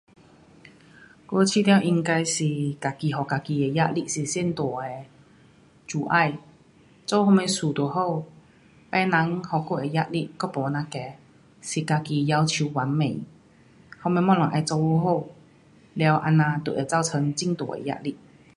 我觉得应该是自己给自己的压力最大的阻碍，做什么事都好，他人给我的压力，我没这样怕。是自己要求完美。什么东西要做好好。了这样就会造成很大的压力。